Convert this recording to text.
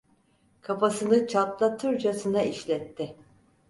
Kafasını çatlatırcasına işletti.